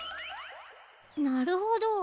なるほど。